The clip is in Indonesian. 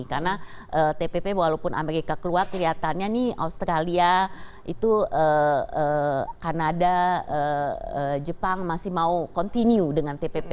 karena tpp walaupun amerika keluar kelihatannya nih australia itu kanada jepang masih mau continue dengan tpp